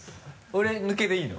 俺抜けでいいの？